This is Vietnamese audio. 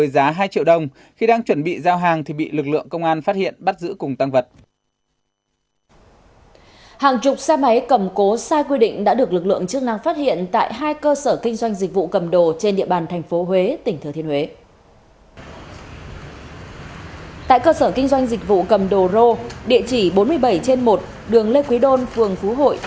tại cơ sở kinh doanh dịch vụ cầm đồ rô địa chỉ bốn mươi bảy trên một đường lê quý đôn phường phú hội